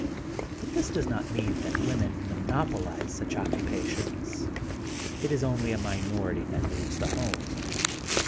But this does not mean that women monopolize such occupations. It is only a minority that leaves the home.